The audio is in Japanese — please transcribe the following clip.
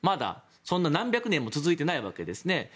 そんな何百年も続いていないわけですね。